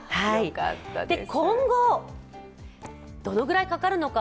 今後、どのくらいかかるのか。